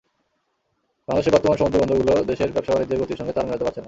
বাংলাদেশের বর্তমান সমুদ্রবন্দরগুলো দেশের ব্যবসা-বাণিজ্যের গতির সঙ্গে তাল মেলাতে পারছে না।